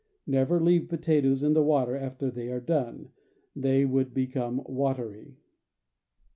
Never leave potatoes in the water after they are done; they would become watery.